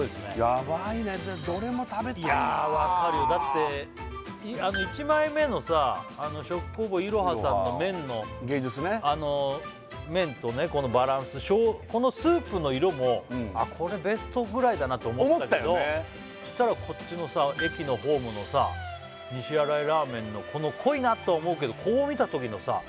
ヤバいねどれも食べたいないやあわかるよだって１枚目のさ食工房いろはさんの麺とこのバランスこのスープの色もベストぐらいだなと思ったけどそしたらこっちのさ駅のホームのさ西新井らーめんのこの濃いなとは思うけどこう見たときのさ